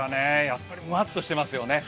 やっぱりムワッとしてますよね。